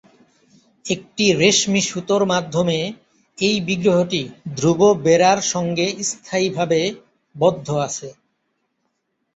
একটি রেশমি সুতোর মাধ্যমে এই বিগ্রহটি ধ্রুব বেরার সঙ্গে স্থায়ীভাবে বদ্ধ আছে।